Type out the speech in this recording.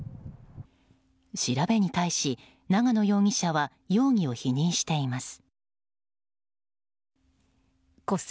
調べに対し、長野容疑者は容疑を否認しています。